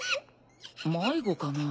迷子かな？